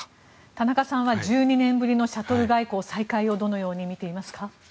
田中さんは１２年ぶりのシャトル外交再開をどのように見ていますか？